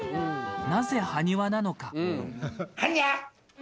なぜ埴輪なのか。はにゃ！